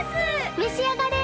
めし上がれ。